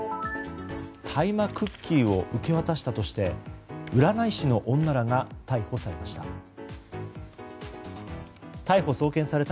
大麻クッキーを受け渡したとして占い師の女らが逮捕されました。